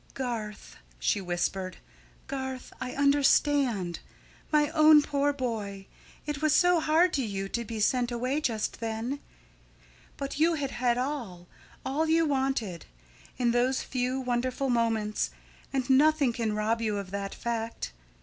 "Garth," she whispered, "Garth, I UNDERSTAND. My own poor boy, it was so hard to you to be sent away just then. But you had had all all you wanted, in those few wonderful moments, and nothing can rob you of that fact.